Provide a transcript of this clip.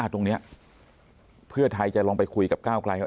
ตรงนี้เพื่อไทยจะลองไปคุยกับก้าวไกลว่า